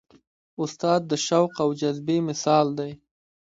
استاد د شوق او جذبې مثال دی.